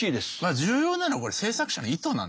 重要なのはこれ制作者の意図なんですよね。